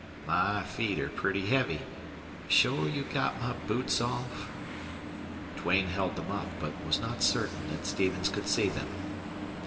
"My feet are pretty heavy. Shore you got my boots off?" Duane held them up, but was not certain that Stevens could see them.